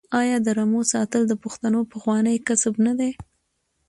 آیا د رمو ساتل د پښتنو پخوانی کسب نه دی؟